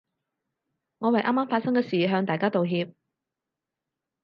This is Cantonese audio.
我為啱啱發生嘅事向大家道歉